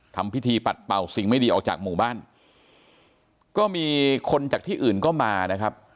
ทำพิธีปัดเป่าสิ่งไม่ดีออกจากหมู่บ้านก็มีคนจากที่อื่นก็มานะครับ